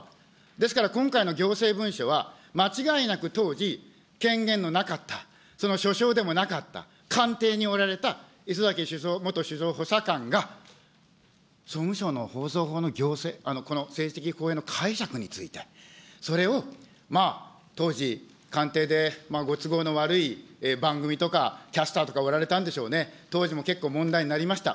ですから、今回の行政文書は、間違いなく当時、権限のなかった、その所掌でもなかった官邸におられた礒崎元首相補佐官が総務省の放送法の行政、この政治的公平の解釈について、それをまあ、当時、官邸でご都合の悪い番組とか、キャスターとかおられたんでしょうね、当時も結構問題になりました。